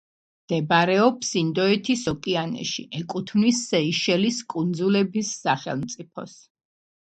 მდებარეობს ინდოეთის ოკეანეში, ეკუთვნის სეიშელის კუნძულების სახელმწიფოს.